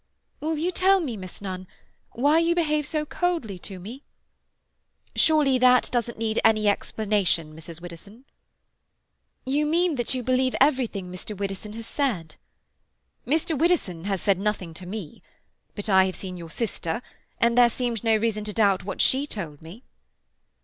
"Will you tell me, Miss Nunn, why you behave so coldly to me?" "Surely that doesn't need any explanation, Mrs. Widdowson?" "You mean that you believe everything Mr. Widdowson has said?" "Mr. Widdowson has said nothing to me. But I have seen your sister, and there seemed no reason to doubt what she told me."